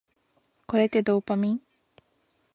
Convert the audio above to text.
これってドーパミン？